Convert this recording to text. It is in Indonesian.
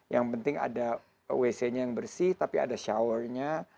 yang penting ada wc nya yang bersih tapi ada showernya